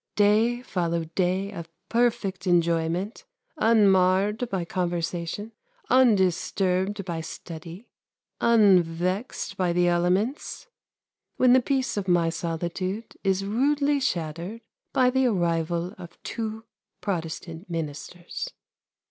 Day followed day of perfect enjoyment, unmarred by conversation, undisturbed by study, unvexed by the elements, when the peace of my solitude is rudely shattered by the arrival of two Protestant ministers.